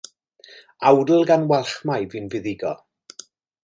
Awdl gan Walchmai fu'n fuddugol.